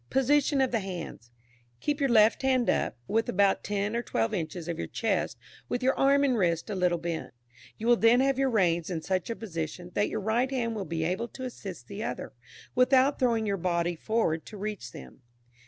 POSITION OF THE HANDS. Keep your left hand up, within about ten or twelve inches of your chest, with your arm and wrist a little bent; you will then have your reins in such a position, that your right hand will be able to assist the other, without throwing your body forward to reach them.